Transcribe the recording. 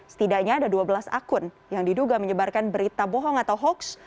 setidaknya ada dua belas akun yang diduga menyebarkan berita bohong atau hoaks